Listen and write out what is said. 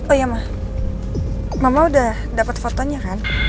oh iya ma mama udah dapet fotonya kan